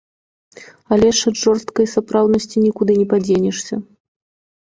Але ж ад жорсткай сапраўднасці нікуды не падзенешся.